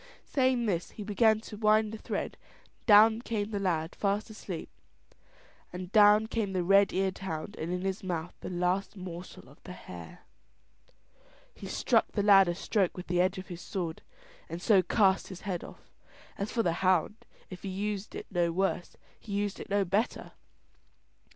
Saying this he began to wind the thread, and down came the lad fast asleep; and down came the red eared hound and in his mouth the last morsel of the hare. He struck the lad a stroke with the edge of his sword, and so cast his head off. As for the hound, if he used it no worse, he used it no better.